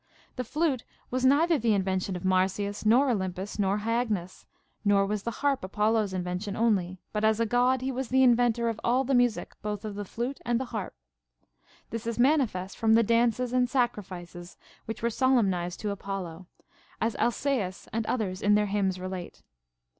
The flute Avas neither the invention of Marsyas nor Olympus nor Hyagnis ; nor was the harp Apollo's invention only, but as a God he was the inventor of all the music both of the flute and harp. This is manifest from the dances and sacrifices which were solemnized to Apollo, as Alcaeus and others in their hymns relate.